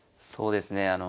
そうですね。